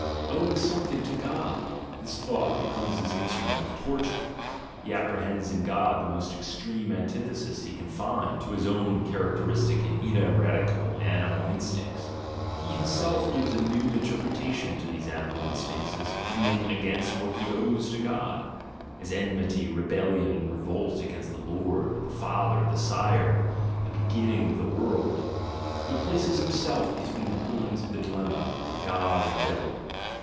Owing something to God: this thought becomes his instrument of torture. He apprehends in God the most extreme antitheses that he can find to his own char acteristic and ineradicable animal instincts, he himself gives a new interpretation to these animal instincts as be ing against what he "owes" to God (as enmity, rebellion, and revolt against the "Lord," the "Father," the "Sire," the "Beginning of the world"), he places himself between the horns of the dilemma, "God" and "Devil."